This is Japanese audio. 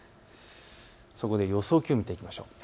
そこで予想気温を見ていきましょう。